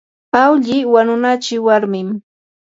awlli wanunachi warmin.